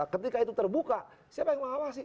ketika itu terbuka siapa yang mengawasi